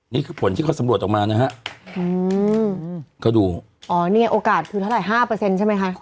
นี่คือผลที่เขาสำรวจออกมานะฮะก็ดูอ๋อเนี่ยโอกาสถูกเท่าไร๕ใช่ไหมคะ